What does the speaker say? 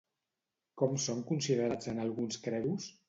Com són considerats en alguns credos?